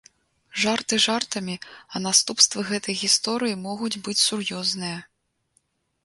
Жарты жартамі, а наступствы гэтай гісторыі могуць быць сур'ёзныя.